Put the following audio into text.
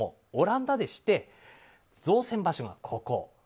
オランダでして、造船場所がここ。